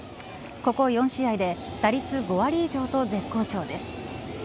ここ４試合で打率５割以上と絶好調です。